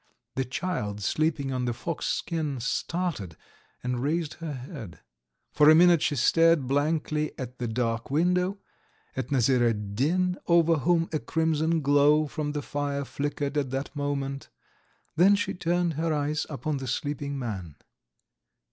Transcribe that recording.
The child, sleeping on the fox skin, started and raised her head. For a minute she stared blankly at the dark window, at Nasir ed Din over whom a crimson glow from the fire flickered at that moment, then she turned her eyes upon the sleeping man.